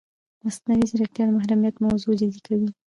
مصنوعي ځیرکتیا د محرمیت موضوع جدي کوي.